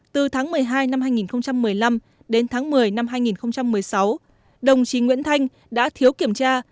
từ tháng một mươi hai năm hai nghìn một mươi năm đến tháng một mươi năm hai nghìn một mươi sáu đồng chí nguyễn thanh đã thiếu kiểm tra